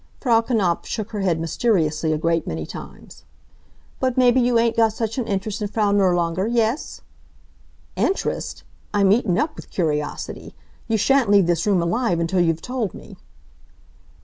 Frau Knapf shook her head mysteriously a great many times. "But maybe you ain't got such an interest in Frau Nirlanger, yes?" "Interest! I'm eaten up with curiosity. You shan't leave this room alive until you've told me!"